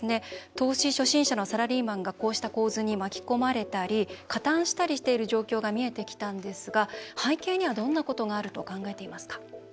投資初心者のサラリーマンがこうした構図に巻き込まれたり加担したりしている状況が見えてきたんですが背景にはどんなことがあると考えていますか？